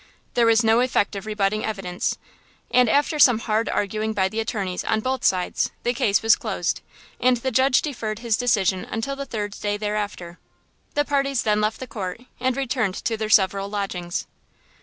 There was no effective rebutting evidence, and after some hard arguing by the attorneys on both sides, the case was closed, and the judge deferred his decision until the third day thereafter. The parties then left the court and returned to their several lodgings.